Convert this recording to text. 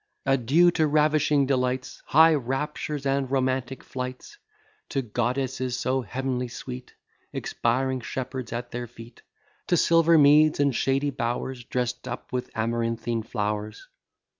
Adieu to ravishing delights, High raptures, and romantic flights; To goddesses so heav'nly sweet, Expiring shepherds at their feet; To silver meads and shady bowers, Dress'd up with amaranthine flowers.